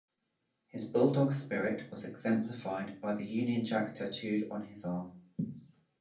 His bulldog spirit was exemplified by the Union Jack tattooed on his arm.